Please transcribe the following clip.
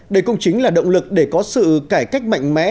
đây cũng chính là động lực để có sự cải cách mạnh mẽ